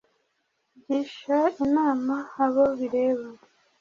gisha inama abo bireba.